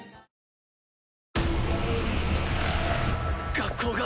学校が。